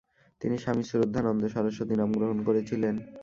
তিনি "স্বামী শ্রদ্ধানন্দ সরস্বতী" নাম গ্রহণ করেছিলেন।